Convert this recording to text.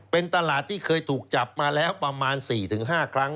เป็นตลาดที่เคยถูกจับมาแล้วประมาณ๔๕ครั้ง